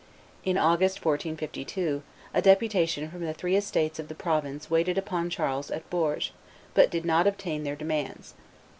In August, 1452, a deputation from the three estates of the province waited upon Charles at Bourges, but did not obtain their demands.